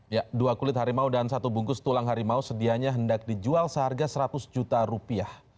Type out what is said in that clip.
ya dua kulit harimau dan satu bungkus tulang harimau sedianya hendak dijual seharga seratus juta rupiah